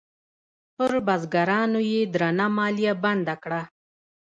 پر بزګرانو یې درنه مالیه بنده کړه.